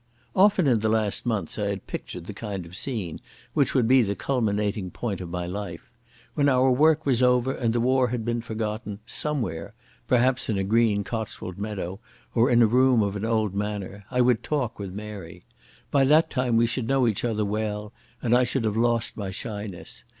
Often in the last months I had pictured the kind of scene which would be the culminating point of my life. When our work was over and war had been forgotten, somewhere—perhaps in a green Cotswold meadow or in a room of an old manor—I would talk with Mary. By that time we should know each other well and I would have lost my shyness.